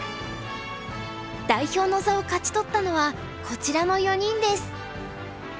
代表の座を勝ち取ったのはこちらの４人です。